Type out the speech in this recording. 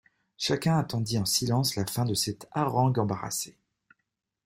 Chacun attendit en silence la fin de cette harangue embarrassée.